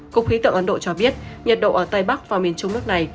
cục khí tượng ấn độ cho biết nhiệt độ ở tây bắc và miền trung nước này